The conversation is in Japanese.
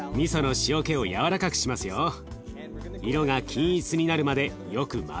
色が均一になるまでよく混ぜましょう。